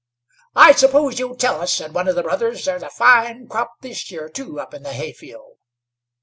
"I suppose you'll tell us," said one of his brothers, "there's a fine crop this year too, up in the hayfield."